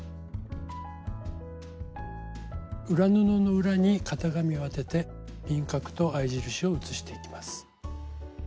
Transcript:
裏布の裏に型紙を当てて輪郭と合い印を写していきます。